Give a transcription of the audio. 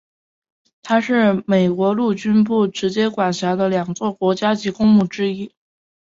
它是美国陆军部直接管辖的两座国家级公墓之一。